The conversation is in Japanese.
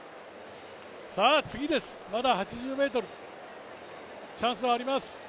さあ次です、まだ８０ｍ、チャンスはあります。